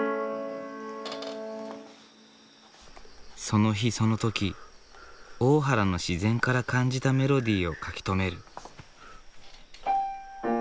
その日その時大原の自然から感じたメロディーを書き留める。